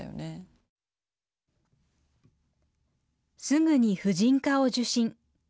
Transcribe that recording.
すぐに婦人科を受診。